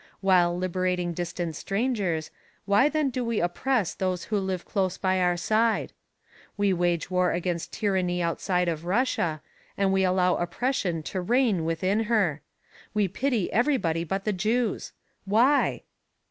While liberating distant strangers, why then do we oppress those who live close by our side? We wage war against tyranny outside of Russia, and we allow oppression to reign within her. We pity everybody but the Jews. Why?